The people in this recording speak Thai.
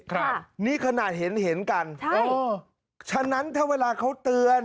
ครับนี่ขนาดเห็นเห็นกันใช่ฉะนั้นถ้าเวลาเขาเตือน